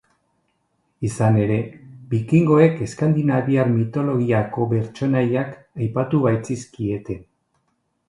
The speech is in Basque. Izan ere, vikingoek eskandinaviar mitologiako pertsonaiak aipatu baitzizkieten.